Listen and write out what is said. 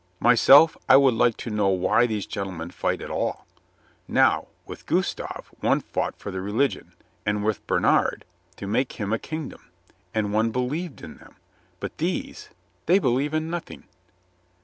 "Myself, I would like to know why these gentlemen fight at all. Now, with Gustav one fought for the religion, and with Bernhard to make him a kingdom, and one believed in them. But these — they believe in nothing."